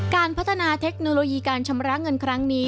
การพัฒนาเทคโนโลยีการชำระเงินครั้งนี้